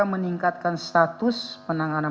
meningkatkan status penanggalan